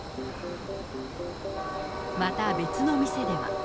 また別の店では。